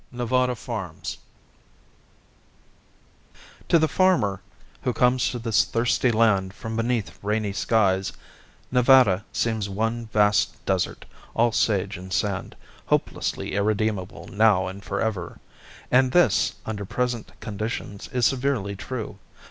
Nevada Farms To the farmer who comes to this thirsty land from beneath rainy skies, Nevada seems one vast desert, all sage and sand, hopelessly irredeemable now and forever. And this, under present conditions, is severely true.